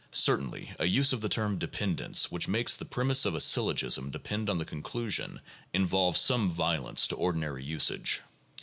Certainly a use of the term dependence which makes the premises of a syllogism depend on the conclusion (p. 121) involves some violence to ordinary usage.